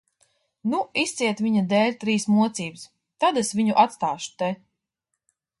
Nu, izciet viņa dēļ trīs mocības, tad es viņu atstāšu te.